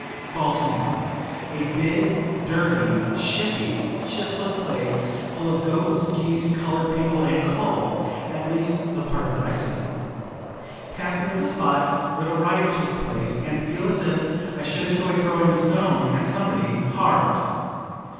Baltimore. A big, dirty, shippy, shiftless place, full of goats, geese, colored people, and coal, at least the part of it I see. Pass near the spot where the riot took place, and feel as if I should enjoy throwing a stone at somebody, hard.